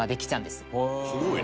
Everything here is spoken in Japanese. すごいね。